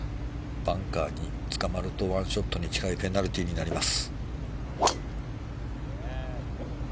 バンカーにつかまると１ショットに近いペナルティーになります。